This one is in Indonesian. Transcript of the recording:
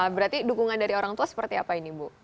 berarti dukungan dari orang tua seperti apa ini bu